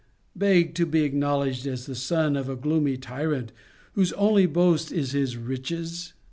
Beg to be acknowledged as the son of a gloomy tyrant, whose only boast is his riches?